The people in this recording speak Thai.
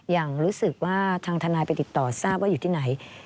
อย่างรู้สึกว่าทางทนายไปติดต่อทราบว่าอยู่ที่ไหน